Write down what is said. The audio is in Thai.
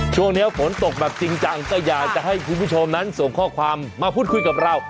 ช่วงนี้ฝนตกแบบจริงจังก็อยากจะให้คุณผู้ชมนั้นส่งข้อความมาพูดคุยกับเรา